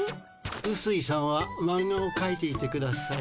うすいさんはマンガをかいていてください。